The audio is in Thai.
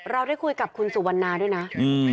ได้คุยกับคุณสุวรรณาด้วยนะ